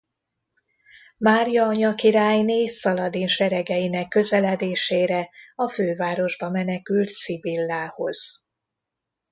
Mária anyakirályné Szaladin seregeinek közeledésére a fővárosba menekült Szibillához.